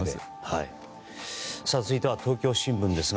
続いては東京新聞です。